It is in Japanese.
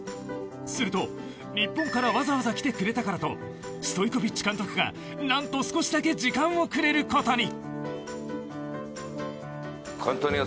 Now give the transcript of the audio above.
すると、日本からわざわざ来てくれたからとストイコヴィッチ監督が何と、少しだけ時間をくれることに。